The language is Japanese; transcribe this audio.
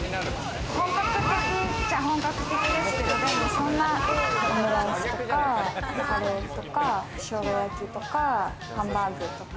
本格的と言ったら本格的ですけれどもオムライスとかカレーとか、ショウガ焼きとか、ハンバーグとか。